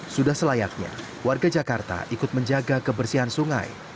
sudah selayaknya warga jakarta ikut menjaga kebersihan sungai